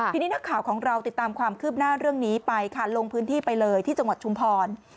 ทีนี้นักข่าวของเราติดตามความคืบหน้าเรื่องนี้ไปค่ะลงพื้นที่ไปเลยที่จังหวัดชุมพร